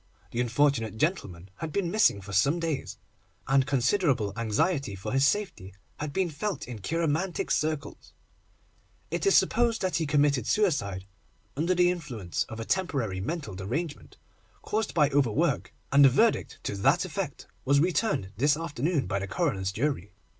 The unfortunate gentleman had been missing for some days, and considerable anxiety for his safety had been felt in cheiromantic circles. It is supposed that he committed suicide under the influence of a temporary mental derangement, caused by overwork, and a verdict to that effect was returned this afternoon by the coroner's jury.